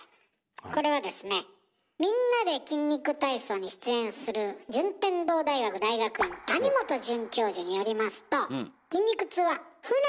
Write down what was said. これはですね「みんなで筋肉体操」に出演する順天堂大学大学院谷本准教授によりますとおお！